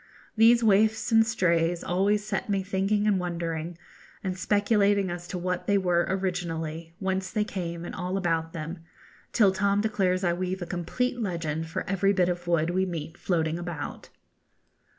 These waifs and strays always set me thinking and wondering, and speculating as to what they were originally, whence they came, and all about them, till Tom declares I weave a complete legend for every bit of wood we meet floating about.